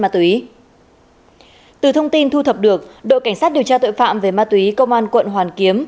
từ thông tin thu thập được đội cảnh sát điều tra tội phạm về ma túy công an quận hoàn kiếm